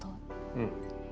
うん。